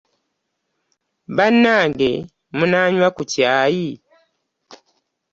Banange munanywa ku caayi?